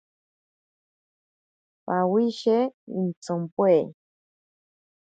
Pawishe intsompoe.